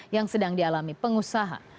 yang sedang dialami pengusaha